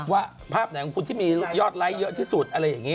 ว่าภาพไหนของคุณที่มียอดไลก์เยอะที่สุด